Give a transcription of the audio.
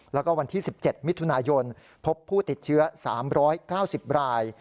แล้วก็วันที่๑๗มิถุนายนพบผู้ติดเชื้อ๓๙๐ราย